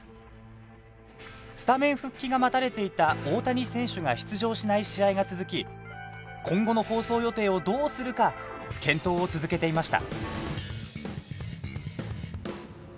スタメン復帰が待たれていた大谷選手が出場しない試合が続き今後の放送予定をどうするか検討を続けていました。